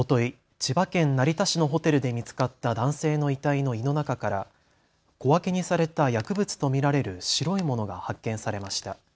千葉県成田市のホテルで見つかった男性の遺体の胃の中から小分けにされた薬物と見られる白いものが発見されました。